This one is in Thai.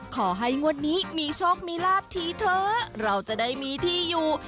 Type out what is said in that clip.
ขอให้งวดนี้มีโชคมีลาบทีเถอะเราจะได้มีที่อยู่